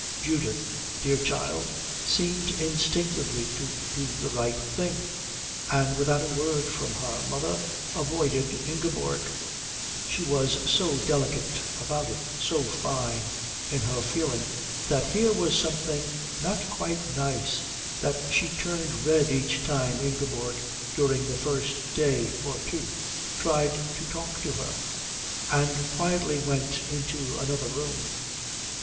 Judith, dear child, seemed instinctively to do the right thing, and without a word from her mother avoided Ingeborg; she was so delicate about it, so fine in her feeling that here was something not quite nice, that she turned red each time Ingeborg during the first day or two tried to talk to her, and quietly went into another room.